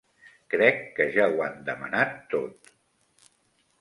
Crec que ja ho han demanat tot.